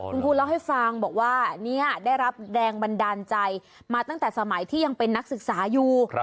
คุณครูเล่าให้ฟังบอกว่าเนี่ยได้รับแรงบันดาลใจมาตั้งแต่สมัยที่ยังเป็นนักศึกษาอยู่